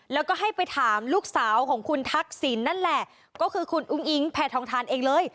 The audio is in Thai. แล้วก็ให้ไปถามลูกสาวของคุณทักษิณนั่นแหละก็คือคุณอุ้งอิงแพทองทานเองเลย